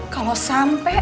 kalau sampai elsa